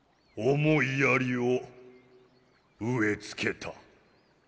思いやりを植え付けた。